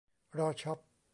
รอช็อป